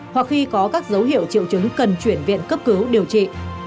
hoặc khi có các dấu hiệu triệu chứng cần chuyển viện cấp cứu điều trị